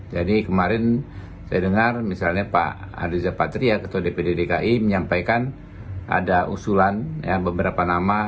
jadi kemarin saya dengar misalnya pak radiza patria ketua dpd dki menyampaikan ada usulan yang beberapa nama